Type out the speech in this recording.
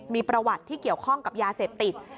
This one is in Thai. มีประวัติที่เกี่ยวข้องกับยาเสพติด